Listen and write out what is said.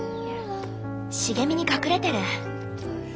茂みに隠れてる。